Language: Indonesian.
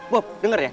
bob denger ya